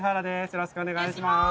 よろしくお願いします！